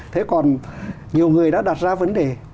thế còn nhiều người đã đặt ra vấn đề